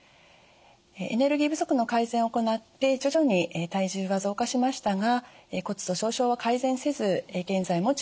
エネルギー不足の改善を行って徐々に体重は増加しましたが骨粗しょう症は改善せず現在も治療中です。